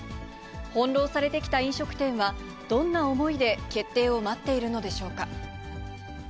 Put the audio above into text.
翻弄されてきた飲食店は、どんな思いで決定を待っているのでしょうか。